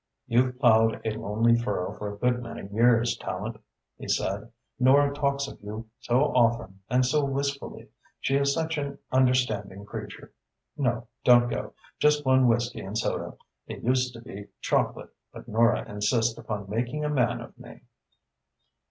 "You've ploughed a lonely furrow for a good many years, Tallente," he said. "Nora talks of you so often and so wistfully. She is such an understanding creature. No, don't go. Just one whisky and soda. It used to be chocolate, but Nora insists upon making a man of me."